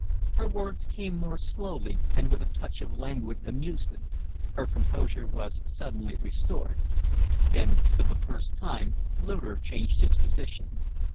Her words came more slowly and with a touch of languid amusement. Her composure was suddenly restored. Then for the first time Loder changed his position.